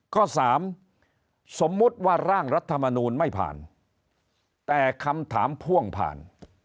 ข้อสามสมมุติว่าร่างรัฐมนูลไม่ผ่านแต่คำถามพ่วงผ่าน